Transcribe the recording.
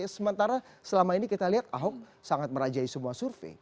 sementara selama ini kita lihat ahok sangat merajai semua survei